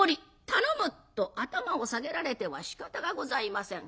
頼む」と頭を下げられてはしかたがございません。